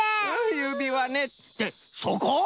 ゆびわねってそこ！？